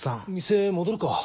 店戻るか。